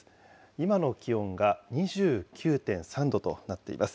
今の気温が２９．３度となっています。